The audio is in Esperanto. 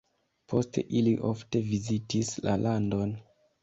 Poste ili ofte vizitis la landon.